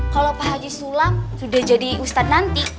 kalau pak haji sulam sudah jadi ustadz nanti